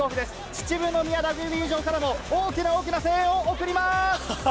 秩父宮ラグビー場からも大きな大きな声援を送ります。